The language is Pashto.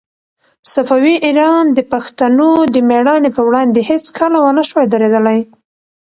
صفوي ایران د پښتنو د مېړانې په وړاندې هيڅکله ونه شوای درېدلای.